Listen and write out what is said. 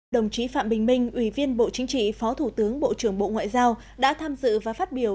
đồng chí phạm bình minh ủy viên bộ chính trị phó thủ tướng bộ trưởng bộ ngoại giao đã tham dự và phát biểu